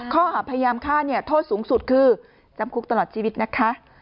ข้อหาพยายามฆ่าเนี่ยโทษสูงสุดคือจำคุกตลอดชีวิตนะคะ